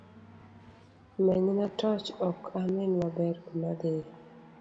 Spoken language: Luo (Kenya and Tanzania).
Menyna torch ok anen maber kuma adhie